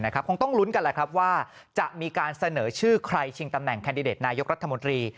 คงต้องลุ้นกันว่าจะมีการเสนอชื่อใครชิงตำแหน่งแคนดิเดตนายกรัฐมนตรี